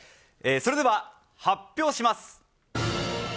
それでは発表します。